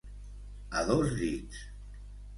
A dos dits.